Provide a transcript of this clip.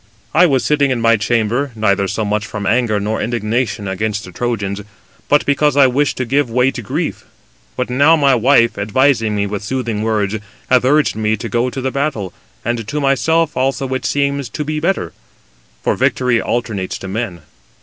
I was sitting in my chamber, neither so much from anger nor indignation against the Trojans, but [because] I wished to give way to grief. But now my wife, advising me with soothing words, hath urged me to the battle, and to myself also it seems to be better: for victory alternates to men.